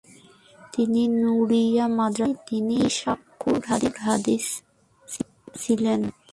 আন নূরিয়া মাদ্রাসায় তিনি শায়খুল হাদীস ছিলেন।